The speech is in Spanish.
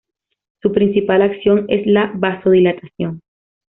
Su principal acción es la vasodilatación.